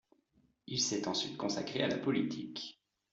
Il s'est ensuite consacré à la politique.